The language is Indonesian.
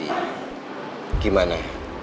yang om tadi gimana